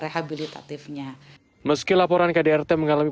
dan akhirnya terjadi hal yang sangat rendahaledih